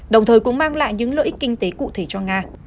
đồng thời cũng mang lại những lợi ích kinh tế cụ thể cho nga